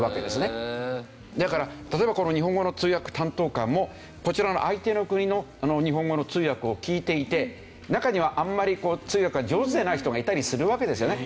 だから例えばこの日本語の通訳担当官もこちらの相手の国の日本語の通訳を聞いていて中にはあんまり通訳が上手でない人がいたりするわけですよね。